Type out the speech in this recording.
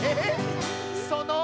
その。